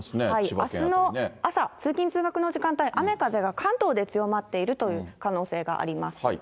あすの朝、通勤・通学の時間帯、雨風が関東で強まっているという可能性があります。